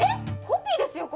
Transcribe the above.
コピーですよ